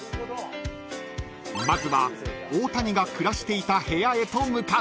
［まずは大谷が暮らしていた部屋へと向かう］